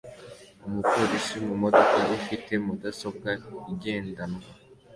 Umupolisi mu modoka ifite mudasobwa igendanwa